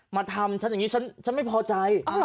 มาทำฉันอย่างนี้ฉันไม่พอใจ